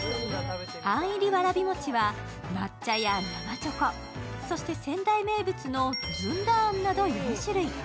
あん入りわらび餅は抹茶や生チョコ、そして仙台名物のずんだあんなど４種類。